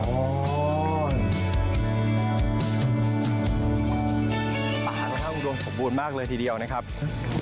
ป่าทั้งตรงสมบูรณ์มากเลยทีเดียวนะครับ